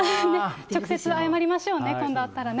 直接謝りましょうね、今度会ったらね。